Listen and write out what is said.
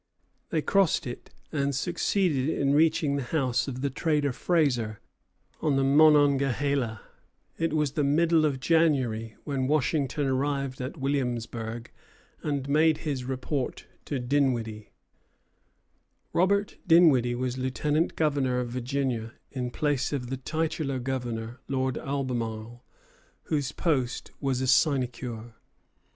They crossed it, and succeeded in reaching the house of the trader Fraser, on the Monongahela. It was the middle of January when Washington arrived at Williamsburg and made his report to Dinwiddie. Journal of Mr. Christopher Gist, in Mass. Hist. Coll., 3rd Series, V. Robert Dinwiddie was lieutenant governor of Virginia, in place of the titular governor, Lord Albemarle, whose post was a sinecure.